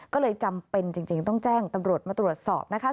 ก็เลยจำเป็นจริงต้องแจ้งตำรวจมาตรวจสอบนะคะ